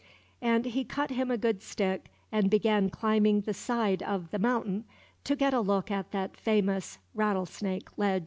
And he cut him a good stick, and began climbing the side of The Mountain to get a look at that famous Rattlesnake Ledge.